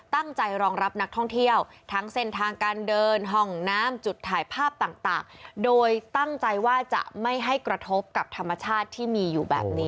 ตั้งใจรองรับนักท่องเที่ยวทั้งเส้นทางการเดินห้องน้ำจุดถ่ายภาพต่างโดยตั้งใจว่าจะไม่ให้กระทบกับธรรมชาติที่มีอยู่แบบนี้